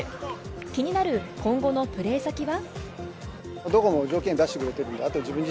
気になる今後のプレー先は？